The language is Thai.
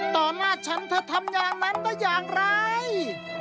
ต่อหน้าฉันเธอทำอย่างนั้นได้อย่างไร